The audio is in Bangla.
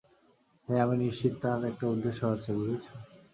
হ্যাঁ, আমি নিশ্চিত তার একটা উদ্দেশ্য আছে, বুঝেছ?